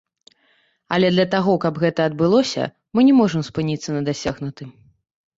Але для таго, каб гэта адбылося, мы не можам спыніцца на дасягнутым.